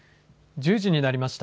１０時になりました。